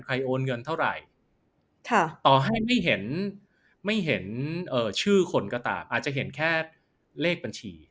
โอนเงินเท่าไหร่ต่อให้ไม่เห็นไม่เห็นชื่อคนก็ตามอาจจะเห็นแค่เลขบัญชี